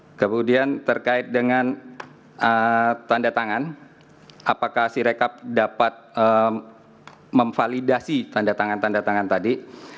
oke kemudian terkait dengan tanda tangan apakah si rekap dapat memvalidasi tanda tangan tanda tangan tadi